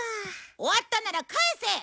終わったなら返せ！